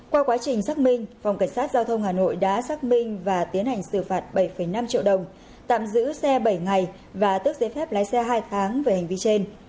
qua quá trình xác minh phòng cảnh sát giao thông hà nội đã xác minh và tiến hành xử phạt bảy năm triệu đồng tạm giữ xe bảy ngày và tức giấy phép lái xe hai tháng về hành vi trên